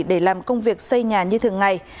để làm công việc xây nhà như thường ngày